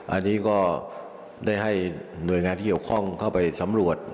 อันนี้ก็ได้ให้หน่วยงานที่เกี่ยวข้องเข้าไปสำรวจ